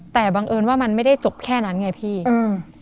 แต่บังเอิญว่ามันไม่ได้จบแค่นั้นไงพี่อืม